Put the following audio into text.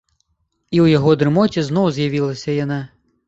І ў яго дрымоце зноў з'явілася яна.